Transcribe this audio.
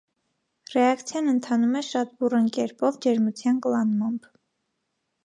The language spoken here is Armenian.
Ռեակցիան ընթանում է շատ բուռն կերպով, ջերմության կլանմամբ։